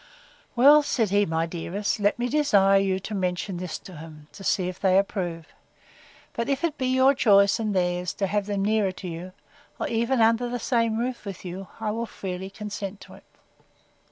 Well, said he, my dearest, let me desire you to mention this to them, to see if they approve it. But, if it be your choice, and theirs, to have them nearer to you, or even under the same roof with you, I will freely consent to it.